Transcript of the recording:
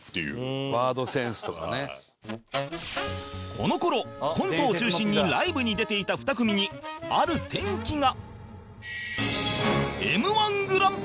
この頃コントを中心にライブに出ていた２組にある転機が